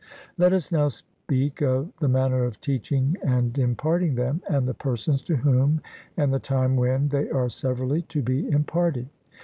Let us now speak of the manner of teaching and imparting them, and the persons to whom, and the time when, they are severally to be imparted.